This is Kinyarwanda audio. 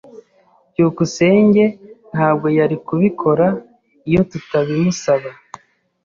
byukusenge ntabwo yari kubikora iyo tutabimusaba.